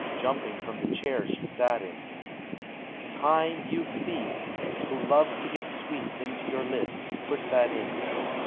Jumping from the chair she sat in. Time, you thief! who love to get Sweets into your list, put that in.